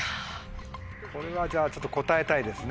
これはじゃあちょっと答えたいですね